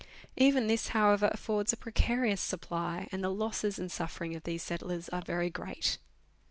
Even this, however, affords a precarious supply, and the losses and sufferings of these settlers are very great.